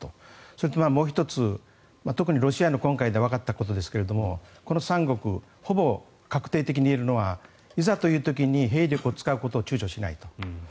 それともう１つ、特にロシア今回でわかったことですがこの３国ほぼ確定的に言えるのはいざという時に兵力を使うことを躊躇しないと。